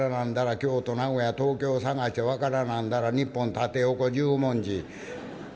京都名古屋東京捜して分からなんだら日本縦横十文字捜しておくれ」。